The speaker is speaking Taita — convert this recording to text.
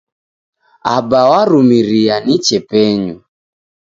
Aba warumiria niche penyu.